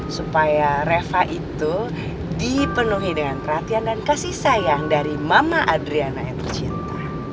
supaya reva itu dipenuhi dengan perhatian dan kasih sayang dari mama adriana yang tercinta